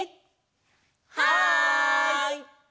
はい！